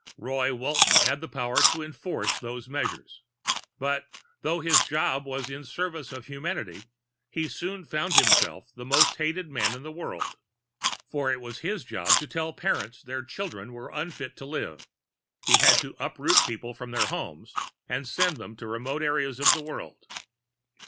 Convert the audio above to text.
Roy Walton had the power to enforce those measures. But though his job was in the service of humanity, he soon found himself the most hated man in the world. For it was his job to tell parents their children were unfit to live; he had to uproot people from their homes and send them to remote areas of the world.